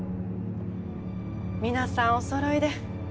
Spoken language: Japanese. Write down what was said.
皆さんおそろいで。